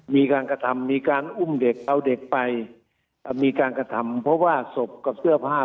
มีการกระทำมีการอุ้มเด็กเอาเด็กไปมีการกระทำเพราะว่าศพกับเสื้อผ้า